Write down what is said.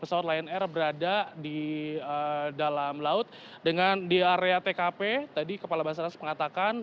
pesawat lion air berada di dalam laut dengan di area tkp tadi kepala basarnas mengatakan